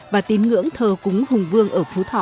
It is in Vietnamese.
và tín ngưỡng thờ cúng hùng vương ở phú thọ